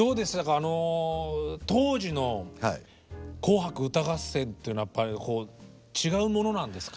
あの当時の「紅白歌合戦」っていうのはやっぱり違うものなんですか？